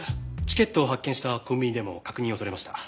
チケットを発券したコンビニでも確認を取れました。